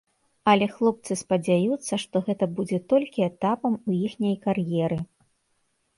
Але хлопцы спадзяюцца, што гэта будзе толькі этапам у іхняй кар'еры.